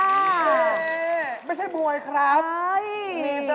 นี่ไม่ใช่มวยครับ